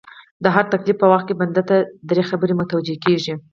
د هر تکليف په وخت کي بنده ته دری خبري متوجې کيږي